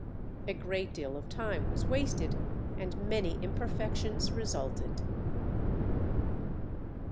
A great deal of time was wasted and many imperfections resulted."